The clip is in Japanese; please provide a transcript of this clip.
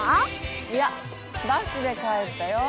いやバスで帰ったよ。